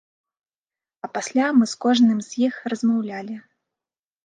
А пасля мы з кожным з іх размаўлялі.